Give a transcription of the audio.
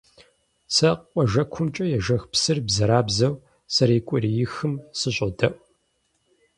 Сэ къуажэкумкӀэ ежэх псыр бзэрабзэу зэреукӀуриехым сыщӀодэӀу.